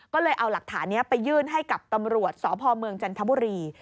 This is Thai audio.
ก็เลยเอาหลักฐานนี้ไปยื่นให้กับตำรวจสพเมืองจันทบุรี